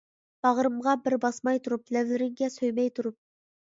باغرىمغا بىر باسماي تۇرۇپ، لەۋلىرىڭگە سۆيمەي تۇرۇپ.